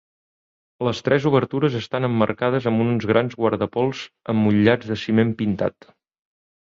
Les tres obertures estan emmarcades amb uns grans guardapols emmotllats de ciment pintat.